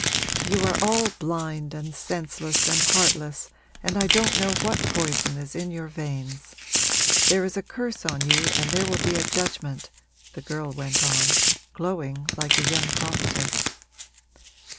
You are all blind and senseless and heartless and I don't know what poison is in your veins. There is a curse on you and there will be a judgment!' the girl went on, glowing like a young prophetess.